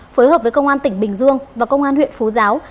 phối hợp với công an tỉnh bình dương và công an huyện phú giáo